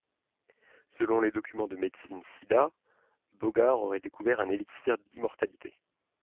Selon les documents de médecines Siddha, Bogar aurait découvert un élixir d’immortalité.